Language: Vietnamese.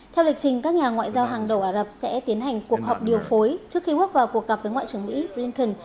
theo lịch trình các nhà ngoại giao hàng đầu ả rập sẽ tiến hành cuộc họp điều phối trước khi bước vào cuộc gặp với ngoại trưởng mỹ blinken